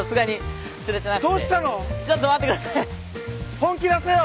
本気出せよ！